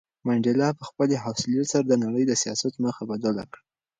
منډېلا په خپلې حوصلې سره د نړۍ د سیاست مخ بدل کړ.